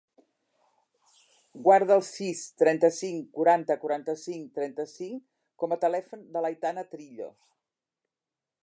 Guarda el sis, trenta-cinc, quaranta, quaranta-cinc, trenta-cinc com a telèfon de l'Aitana Trillo.